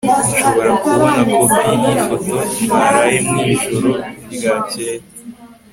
nshobora kubona kopi yifoto mwaraye mwijoro ryakeye